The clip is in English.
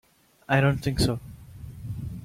I don't think so.